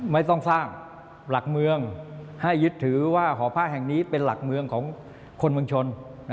ไม่ต้องสร้างหลักเมืองให้ยึดถือว่าหอผ้าแห่งนี้เป็นหลักเมืองของคนเมืองชน